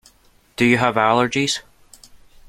Do you have allergies?